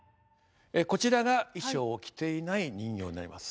こちらが衣装を着ていない人形になります。